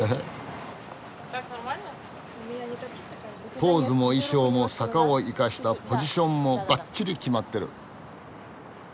ポーズも衣装も坂を生かしたポジションもバッチリ決まってる。